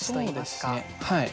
はい。